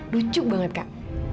lucu banget kak